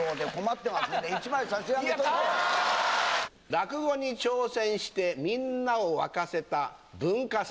落語に挑戦してみんなを沸かせた文化祭。